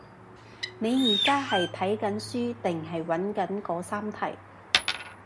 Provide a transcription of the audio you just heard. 你而家係睇緊書定係揾緊嗰三題？